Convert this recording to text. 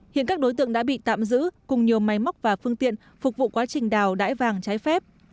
hiện các đối tượng đã bị tạm giữ cùng nhiều máy móc và phương tiện phục vụ quá trình đào đải vàng trái phép